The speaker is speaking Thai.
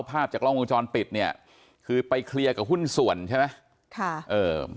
ภาพจากกล้องวงจรปิดเนี่ยคือไปเคลียร์กับหุ้นส่วนใช่ไหมค่ะเออ